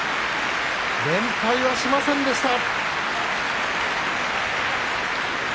連敗はしませんでした。